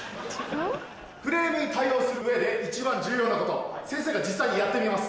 クレームに対応する上で一番重要なこと先生が実際にやってみます